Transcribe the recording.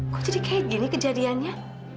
kok jadi kayak gini kejadiannya